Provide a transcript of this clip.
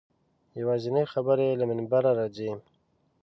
یوازینۍ خبرې له منبره راځي.